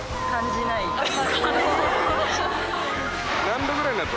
感じない。